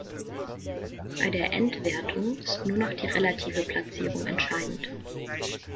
Bei der Endwertung ist nur noch die relative Platzierung entscheidend.